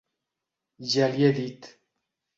Ja l'hi he dit.